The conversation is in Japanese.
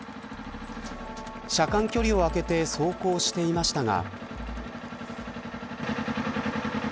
車間距離を空けて走行していましたが。